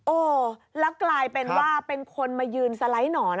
โอ้แล้วกลายเป็นว่าเป็นคนมายืนสไลด์หนอน